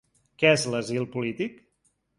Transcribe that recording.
Què és l’asil polític?